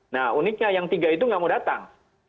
nah uniknya yang tiga itu nggak mau datang